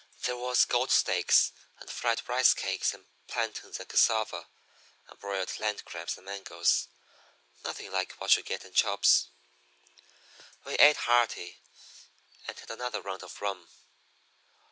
There was goat steaks and fried rice cakes, and plantains and cassava, and broiled land crabs and mangoes nothing like what you get at Chubb's. "We ate hearty and had another round of rum.